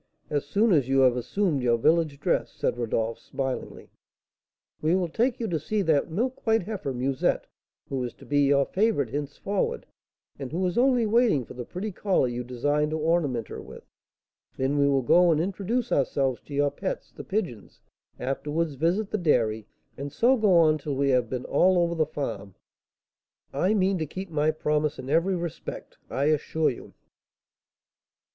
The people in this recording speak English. As soon as you have assumed your village dress," said Rodolph, smilingly, "we will take you to see that milk white heifer, Musette, who is to be your favourite henceforward, and who is only waiting for the pretty collar you designed to ornament her with; then we will go and introduce ourselves to your pets, the pigeons, afterwards visit the dairy, and so go on till we have been all over the farm. I mean to keep my promise in every respect, I assure you."